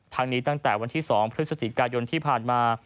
ทั้งนี้ตั้งแต่วันที่๒พฤศจิกายนที่ผ่านมา